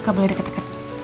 gak boleh deket deket